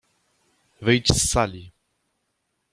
— Wyjdź z sali!